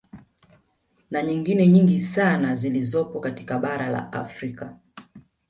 Na nyingine nyingi sana zilizopo katika bara la Afrika